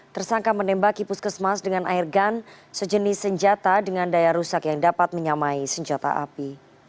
tersangka menembaki puskesmas dengan air gun sejenis senjata dengan daya rusak yang dapat menyamai senjata api